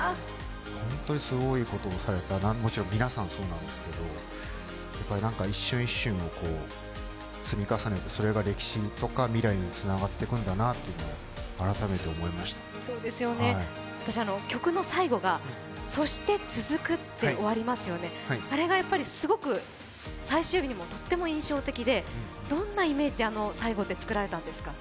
本当にすごいことをされたなと、もちろん皆さんそうなんですけど、一瞬一瞬を積み重ね、それが歴史とか未来につながっていくんだなと私、曲の最後が「そして続く」って終わりますよね、あれがすごく最終日にもとっても印象的で、どんなイメージであの最後って作られたんですか？